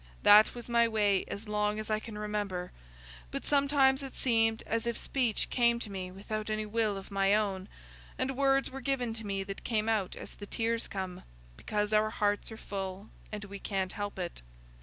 That was my way as long as I can remember; but sometimes it seemed as if speech came to me without any will of my own, and words were given to me that came out as the tears come, because our hearts are full and we can't help it.